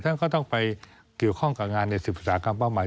ท่านก็ต้องไปเกี่ยวข้องกับงานใน๑๐อุตสาหกรรมเป้าหมาย